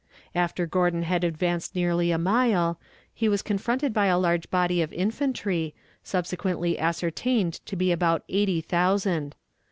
After Gordon had advanced nearly a mile, he was confronted by a large body of infantry, subsequently ascertained to be about eighty thousand.